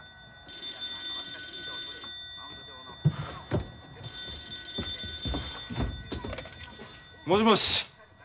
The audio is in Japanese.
☎もしもし。